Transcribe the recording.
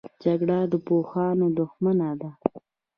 جګړه د پوهانو دښمنه ده